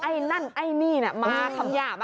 ไอ้นั่นไอ้นี่น่ะมาคำหยาบ